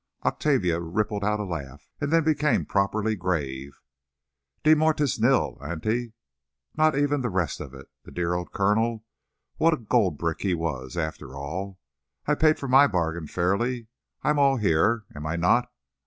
Octavia rippled out a laugh, and then became properly grave. "De mortuis nil, auntie—not even the rest of it. The dear old colonel—what a gold brick he was, after all! I paid for my bargain fairly—I'm all here, am I not?